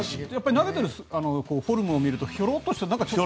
投げてるフォルムを見るとまだひょろっとして。